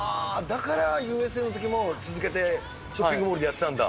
だからＵ．Ｓ．Ａ．のときも、続けて、ショッピングモールでやってたんだ。